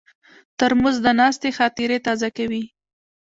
ترموز د ناستې خاطرې تازه کوي.